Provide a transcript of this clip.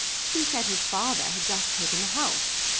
He said his father had just taken the house.